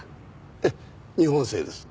ええ日本製です。